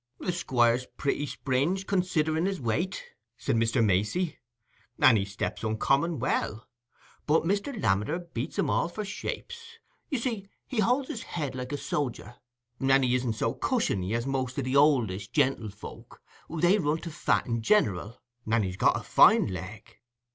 "The Squire's pretty springe, considering his weight," said Mr. Macey, "and he stamps uncommon well. But Mr. Lammeter beats 'em all for shapes: you see he holds his head like a sodger, and he isn't so cushiony as most o' the oldish gentlefolks—they run fat in general; and he's got a fine leg.